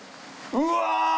うわ。